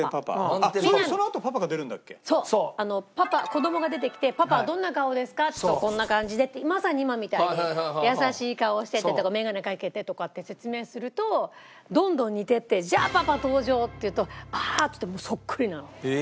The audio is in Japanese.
子どもが出てきて「パパはどんな顔ですか？」って言うと「こんな感じで」ってまさに今みたいに「優しい顔をして」とか「眼鏡かけて」とかって説明するとどんどん似ていって「じゃあパパ登場！」って言うと「うわー」ってもうそっくりなの。